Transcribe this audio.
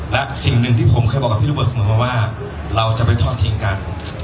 และสิ่งหนึ่งที่ผมเคยบอกกับพี่โรเบิร์ตเสมอมาว่าเราจะไปทอดทิ้งกัน